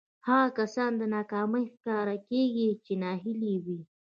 هغه کسان د ناکامۍ ښکار کېږي چې ناهيلي وي.